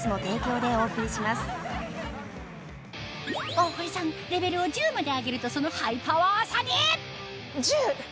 大堀さんレベルを１０まで上げるとそのハイパワーさに１０！